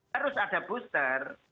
terus ada booster